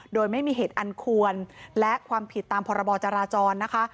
โดยไม่มีเหตุอันควรและความผิดตามพรบจราจรนะคะ